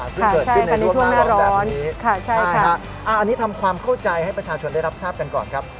ซึ่งเกิดขึ้นในช่วงหน้าร้อนแบบนี้อันนี้ทำความเข้าใจให้ประชาชนได้รับทราบกันก่อนครับ